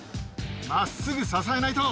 まっすぐ支えないと。